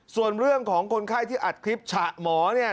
ส่วนเรื่องของคนไข้ที่อัดคลิปฉะหมอเนี่ย